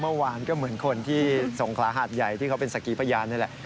เมื่อวานก็เหมือนคนที่สงขลาหาดใหญ่ที่เขาเป็นสักกีพยานนี่แหละ